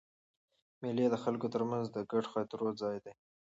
مېلې د خلکو تر منځ د ګډو خاطرو ځای دئ.